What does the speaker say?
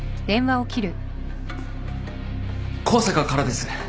向坂からです。